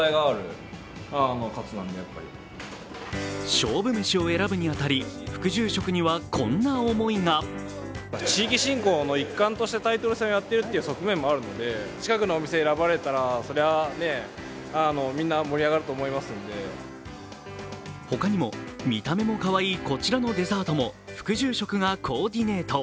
勝負メシを選ぶに当たり副住職にはこんな思いが他にも、見た目もかわいいこちらのデザートも副住職がコーディネート。